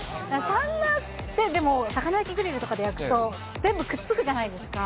サンマって、でも魚焼きグリルとかで焼くと、全部くっつくじゃないですか。